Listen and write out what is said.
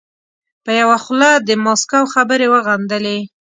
په یوه خوله د ماسکو خبرې وغندلې.